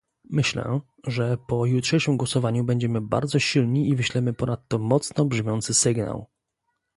Myślę, że po jutrzejszym głosowaniu będziemy bardzo silni i wyślemy ponadto mocno brzmiący sygnał